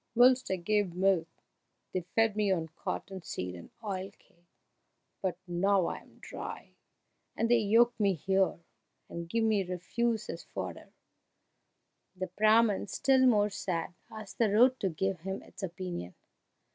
Whilst I gave milk they fed me on cotton seed and oil cake, but now I am dry they yoke me here, and give me refuse as fodder!" The Brahman, still more sad, asked the road to give him its opinion.